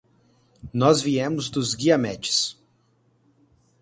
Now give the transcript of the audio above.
Nós viemos dos Guiamets.